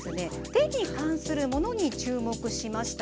手に関するものに注目しました。